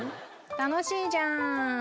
楽しいじゃん。